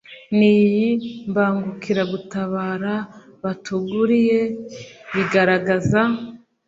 n’iyi mbangukiragutabara batuguriye bigaragaza